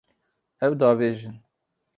Ew diavêjin.